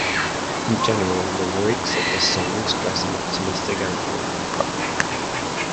In general the lyrics of the song stress an optimistic outlook.